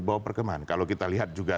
bahwa perkembangan kalau kita lihat juga